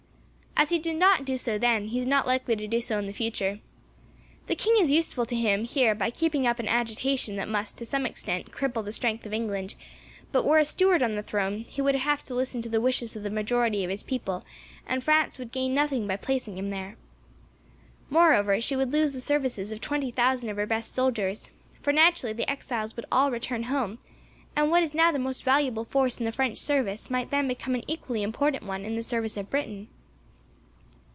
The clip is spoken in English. As he did not do so then, he is not likely to do so in the future. The king is useful to him, here, by keeping up an agitation that must, to some extent, cripple the strength of England; but, were a Stuart on the throne, he would have to listen to the wishes of the majority of his people, and France would gain nothing by placing him there. Moreover, she would lose the services of twenty thousand of her best soldiers, for naturally the exiles would all return home, and what is now the most valuable force in the French service, might then become an equally important one in the service of Britain."